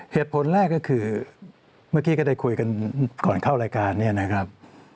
เหตุผลแรกก็คือเมื่อกี้ก็ได้คุยกันก่อนเข้ารายการเนี่ยนะครับ